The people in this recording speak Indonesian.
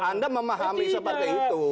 anda memahami seperti itu